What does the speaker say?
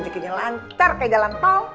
rezekinya lantar kayak jalan tol